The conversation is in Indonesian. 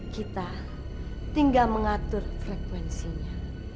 kita tinggal mengatur frekuensinya